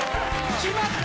決まった！